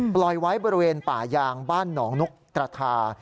ปล่อยไว้บริเวณป่ายางบ้านหนองนกกระทา